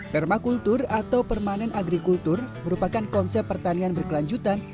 permakultur atau permanent agriculture merupakan konsep pertanian berkelanjutan